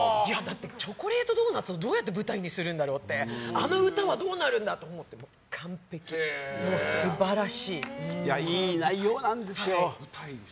「チョコレートドーナツ」をどうやって舞台にするんだろうってあの歌はどうなるんだろうって思ったら、完璧いい内容なんですよ。